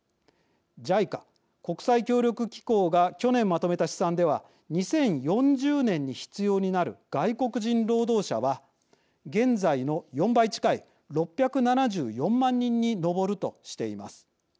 ＪＩＣＡ＝国際協力機構が去年まとめた試算では２０４０年に必要になる外国人労働者は現在の４倍近い６７４万人に上るとしています。